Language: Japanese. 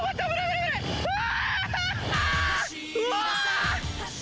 うわ！